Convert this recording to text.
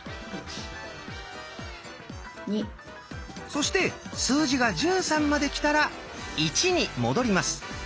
そして数字が「１３」まできたら「１」に戻ります。